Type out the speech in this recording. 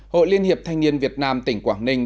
hội liên hiệp thanh niên việt nam tỉnh quảng ninh